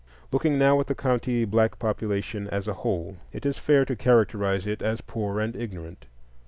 Looking now at the county black population as a whole, it is fair to characterize it as poor and ignorant.